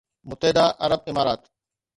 متحده عرب امارات